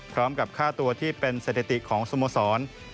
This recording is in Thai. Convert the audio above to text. พร้อมกับค่าตัวที่เป็นเศรษฐกิจของสมสร